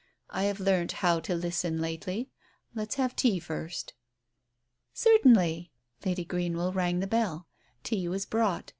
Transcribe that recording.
"I have learnt how to listen lately. Let's have tea first." "Certainly!" Lady Greenwell rang the bell. Tea was brought.